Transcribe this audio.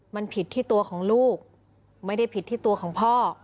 มันผิดที่ตัวของลูกไม่ได้ผิดที่ตัวของพ่อ